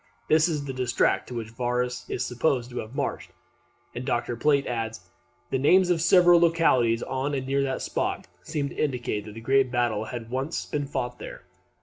This is the district to which Varus is supposed to have marched; and Dr. Plate adds, that "the names of several localities on and near that spot seem to indicate that a great battle had once been fought there.